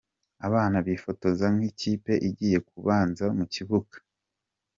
Abana bifotoza nk'ikipe igiye kubanza mu kibuga.